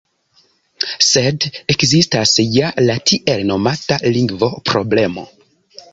Sed ekzistas ja la tiel nomata “lingvo-problemo”.